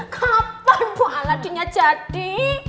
kapan bu aladinnya jadi